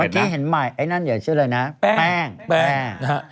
นี่เห็นใหม่ไอ้นั่นอยากเชื่อเลยนะแป้งนะฮะ